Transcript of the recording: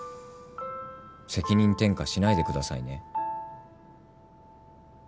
責任転嫁しないでくださいね。